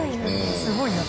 すごいな。